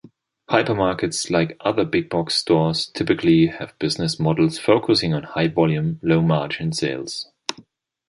Hypermarkets, like other big-box stores, typically have business models focusing on high-volume, low-margin sales.